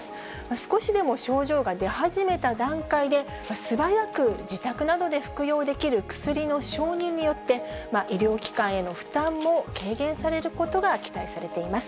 少しでも症状が出始めた段階で、すばやく自宅などで服用できる薬の承認によって、医療機関への負担も軽減されることが期待されています。